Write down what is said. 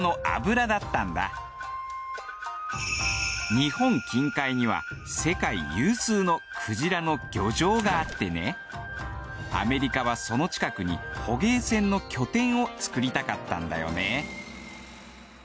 日本近海には世界有数の鯨の漁場があってねアメリカはその近くに捕鯨船の拠点をつくりたかったんだよね。